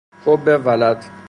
حب ولد